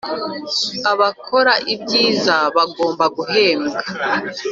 abakora ibyiza bakwiye guhembwa